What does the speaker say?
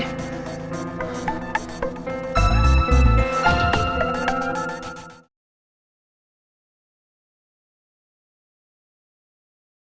sinyalnya jelek lagi